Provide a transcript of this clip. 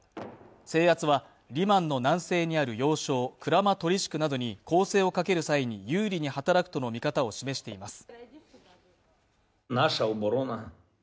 制圧はリマンの南西にある要衝クラマトルシクなどに攻勢をかける際に有利に働くとの見方を示しています。